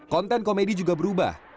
konten komedi juga berubah